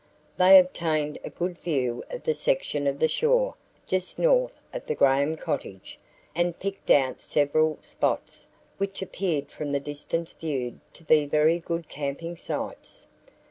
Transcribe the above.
They obtained a good view of the section of the shore just north of the Graham cottage and picked out several spots which appeared from the distance viewed to be very good camping sites.